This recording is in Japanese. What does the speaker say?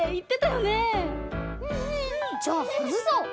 じゃあはずそう！